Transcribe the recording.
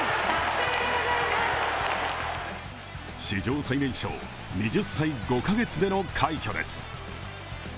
史上最年少、２０歳５カ月での快挙です。